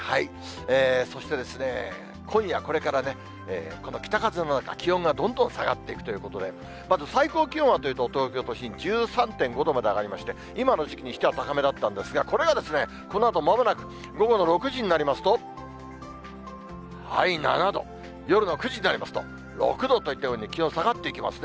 そしてですね、今夜これからね、この北風の中、気温がどんどん下がっていくということで、まず最高気温はというと、東京都心１３．５度まで上がりまして、今の時期にしては高めだったんですが、これがこのあと、まもなく午後の６時になりますと、７度、夜の９時になりますと６度といったように気温、下がっていきますね。